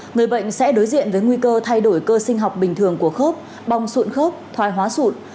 người bệnh sẽ đối diện với nguy cơ thay đổi cơ sinh học bình thường của khớp bong sụn khớp thoai hóa sụn